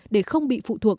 để không bị phụ thuộc